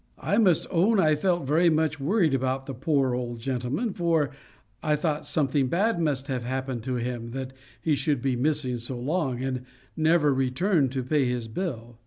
I must own I felt very much worried about the poor old gentleman; for I thought something bad must have happened to him, that he should be missing so long, and never return to pay his bill.